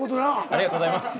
ありがとうございます。